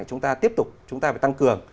chúng ta tiếp tục chúng ta phải tăng cường